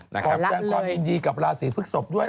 นะครับขอแจ้งความยินดีกับราศีพฤกษ์ศพด้วย